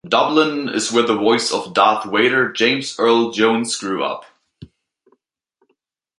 Dublin is where the voice of "Darth Vader" James Earl Jones grew up.